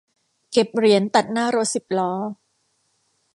เก็บเหรียญตัดหน้ารถสิบล้อ